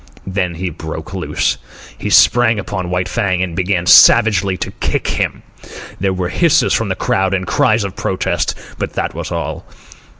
Then he broke loose. He sprang upon White Fang and began savagely to kick him. There were hisses from the crowd and cries of protest, but that was all.